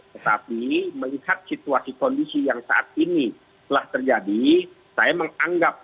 tetapi melihat situasi kondisi yang saat ini telah terjadi saya menganggap